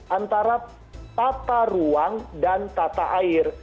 antara tata ruang dan tata air